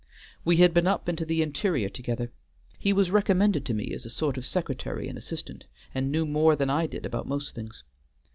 We had been up into the interior together. He was recommended to me as a sort of secretary and assistant and knew more than I did about most things.